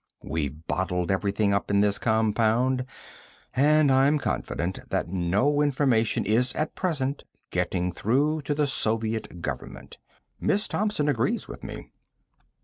We've bottled everything up in this compound, and I'm confident that no information is at present getting through to the Soviet Government. Miss Thompson agrees with me."